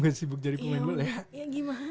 gak sibuk jadi pemain bola ya